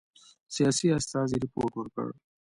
سیاسي استازي رپوټ ورکړ.